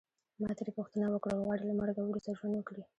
ما ترې پوښتنه وکړل غواړې له مرګه وروسته ژوند وکړې.